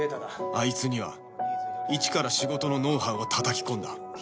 あいつには一から仕事のノウハウをたたき込んだ